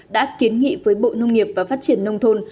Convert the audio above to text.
đã kiến nghị với bộ nông nghiệp và phát triển nông thôn